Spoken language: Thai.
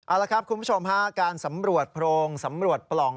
เอาละครับคุณผู้ชมฮะการสำรวจโพรงสำรวจปล่อง